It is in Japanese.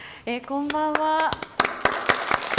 こんばんは。